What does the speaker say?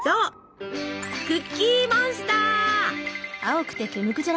クッキーモンスター！